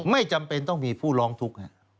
ไม่จำเป็นต้องมีผู้ร้องทุกข์